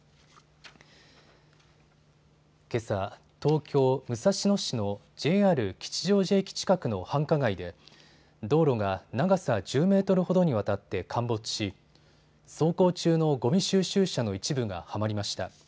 けさ、東京武蔵野市のＪＲ吉祥寺駅近くの繁華街で道路が長さ１０メートルほどにわたって陥没し走行中のごみ収集車の一部がはまりました。